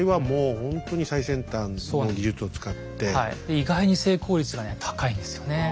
意外に成功率がね高いんですよね。